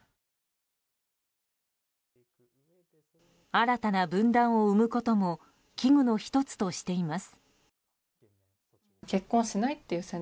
新たな分断を生むことも危惧の１つとしています。